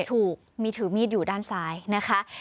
ถูกมีถือมีดอยู่ด้านซ้ายนะคะ